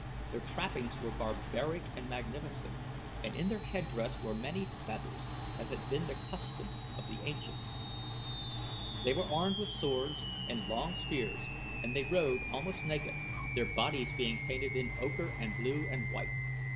Their trappings were barbaric and magnificent, and in their head dress were many feathers as had been the custom of ancients. They were armed with swords and long spears and they rode almost naked, their bodies being painted in ochre and blue and white.